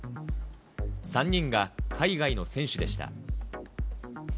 ３人が海外の選手でした。